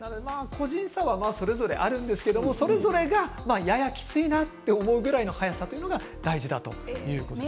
個人差はあるけれどそれぞれややきついなと思うぐらいの速さということが大事だということですね。